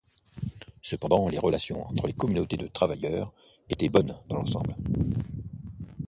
Cependant, les relations entre les communautés de travailleurs étaient bonnes dans l'ensemble.